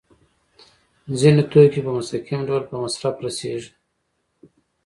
ځینې توکي په مستقیم ډول په مصرف رسیږي.